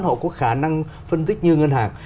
họ có khả năng phân tích như ngân hàng